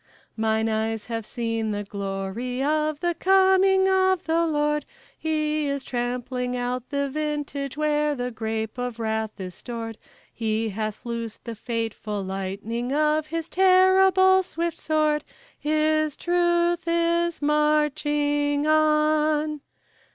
Mine eyes have seen the glory of the coming of the Lord; He is trampling out the vintage where the grape of wrath is stored; He hath loosed the fateful lightning of his terrible swift sword; His truth is marching on.